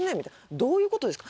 「どういうことですか？」